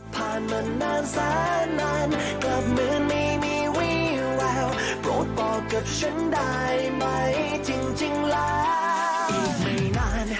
เข้าใจว่าอีกไม่นานมียาวนานแค่ไหนมันทรมานรู้สึกว่าอีกไม่นาน